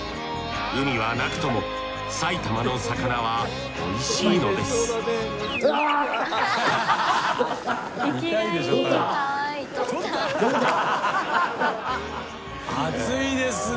海はなくとも埼玉の魚はおいしいのです熱いですね